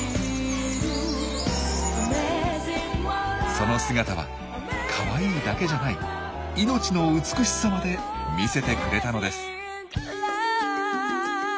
その姿は「カワイイ」だけじゃない命の美しさまで見せてくれたのです。